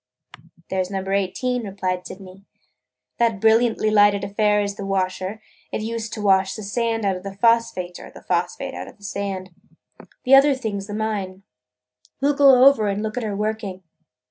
"There 's Number Eighteen," replied Sydney. "That brilliantly lighted affair is the washer. It 's used to wash the sand out of the phosphate or the phosphate out of the sand. The other thing 's the mine. We 'll go over and look at her working."